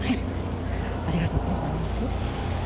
ありがとうございます。